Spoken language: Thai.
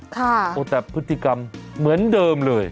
แต่พฤติกรรมเหมือนเดิมเลย